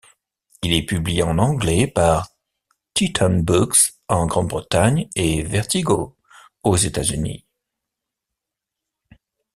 Il est publié en anglais par Titan Books en Grande-Bretagne et Vertigo aux États-Unis.